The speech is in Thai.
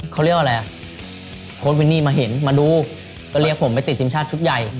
เพราะอะไรก็เรียกผมไปติดชุดใหญ่